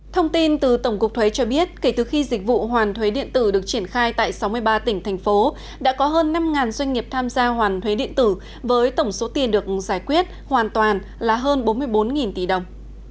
thông tin từ tổng cục thuế cho biết kể từ khi dịch vụ hoàn thuế điện tử được triển khai tại sáu mươi ba tỉnh thành phố đã có hơn năm doanh nghiệp tham gia hoàn thuế điện tử với tổng số tiền được giải quyết hoàn toàn là hơn bốn mươi bốn tỷ đồng